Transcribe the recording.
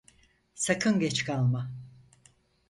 Sakın geç kalma.